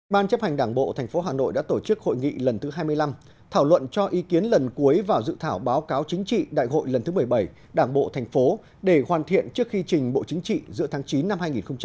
ban chấp hành đảng bộ tp hà nội đã tổ chức hội nghị lần thứ hai mươi năm thảo luận cho ý kiến lần cuối vào dự thảo báo cáo chính trị đại hội lần thứ một mươi bảy đảng bộ thành phố để hoàn thiện trước khi trình bộ chính trị giữa tháng chín năm hai nghìn hai mươi